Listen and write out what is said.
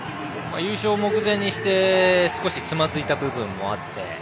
優勝を目前にして少しつまずいた部分もあって。